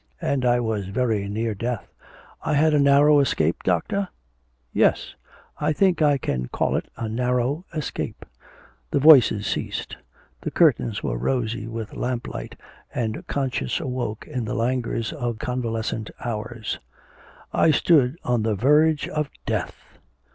And I was very near death; I had a narrow escape, doctor?' 'Yes, I think I can call it a narrow escape.' The voices ceased. The curtains were rosy with lamp light, and conscience awoke in the languors of convalescent hours. 'I stood on the verge of death!'